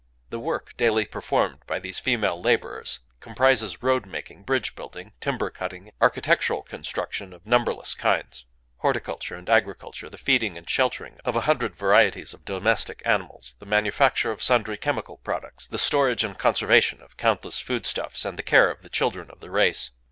The work daily performed by these female laborers comprises road making, bridge building, timber cutting, architectural construction of numberless kinds, horticulture and agriculture, the feeding and sheltering of a hundred varieties of domestic animals, the manufacture of sundry chemical products, the storage and conservation of countless food stuffs, and the care of the children of the race.